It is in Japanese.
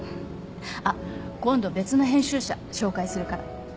あっ今度別の編集者紹介するから。